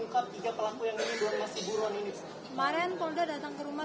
kemarin polda datang ke rumah